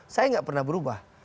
saya nggak pernah berubah